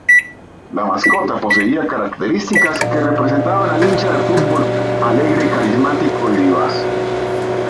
La mascota poseía características que representan al hincha del fútbol alegre, carismático y vivaz.